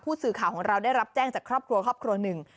สื่อข่าวของเราได้รับแจ้งจากครอบครัวครอบครัวหนึ่ง